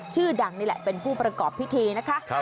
ชื่อดังนี่แหละเป็นผู้ประกอบพิธีนะคะ